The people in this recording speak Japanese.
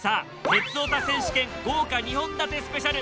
「鉄オタ選手権豪華２本立てスペシャル」